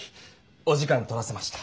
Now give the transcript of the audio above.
お時間取らせました。